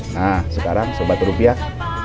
nah sekarang sobat rupiah